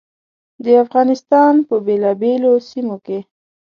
د افغانستان په بېلابېلو سیمو کې.